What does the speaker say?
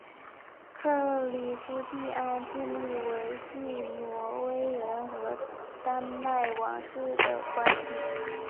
克里斯蒂安尽力维系挪威人和丹麦王室的关系。